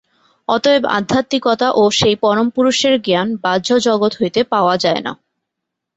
অতএব আধ্যাত্মিকতা ও সেই পরমপুরুষের জ্ঞান বাহ্যজগৎ হইতে পাওয়া যায় না।